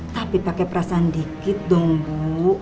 tapi pake perasaan dikit dong bu